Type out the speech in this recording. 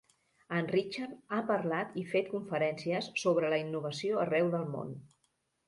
En Richard ha parlat i fet conferències sobre la innovació arreu del món.